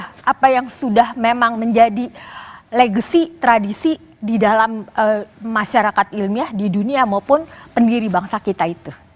dan itu saja apa yang sudah memang menjadi legacy tradisi di dalam masyarakat ilmiah di dunia maupun pendiri bangsa kita itu